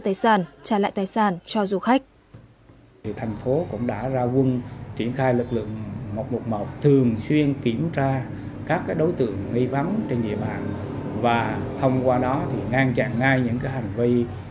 tại các tỉnh thành phía đông bắc bộ trong hôm nay và ngày mai